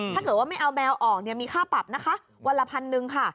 ถ้าเกิดไม่เอาแมวออกมีค่าปรับนะคะวันละ๑๐๐๐บาทค่ะ